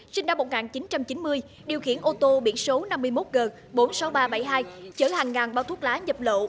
sinh năm một nghìn chín trăm chín mươi điều khiển ô tô biển số năm mươi một g bốn mươi sáu nghìn ba trăm bảy mươi hai chở hàng ngàn bao thuốc lá nhập lậu